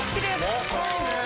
若いね！